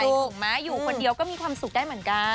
ถูกไหมอยู่คนเดียวก็มีความสุขได้เหมือนกัน